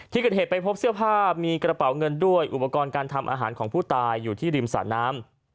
ที่เกิดเหตุไปพบเสื้อผ้ามีกระเป๋าเงินด้วยอุปกรณ์การทำอาหารของผู้ตายอยู่ที่ริมสระน้ำ